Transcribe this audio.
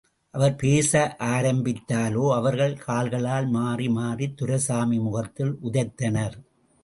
அவர் பேச ஆரம்பித்தாலோ, அவர்கள் கால்களால் மாறி மாறி துரைசாமி முகத்திலே உதைத்தனர்.